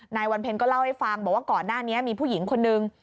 นายวันเพ็ญก็เล่าให้ฟังบอกว่าก่อนหน้านี้มีผู้หญิงคนนึง